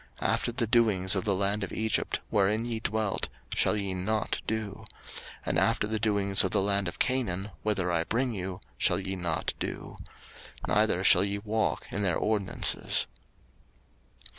03:018:003 After the doings of the land of Egypt, wherein ye dwelt, shall ye not do: and after the doings of the land of Canaan, whither I bring you, shall ye not do: neither shall ye walk in their ordinances.